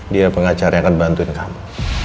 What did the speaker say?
dia pengacara yang akan bantuin kamu